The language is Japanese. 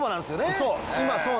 そう。